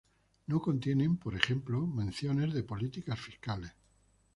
No contienen, por ejemplo, menciones de políticas fiscales.